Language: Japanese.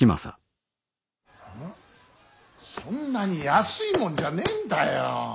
そんなに安いもんじゃねんだよ。